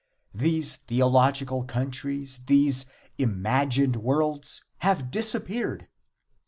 These theological countries, these imagined worlds, have disappeared.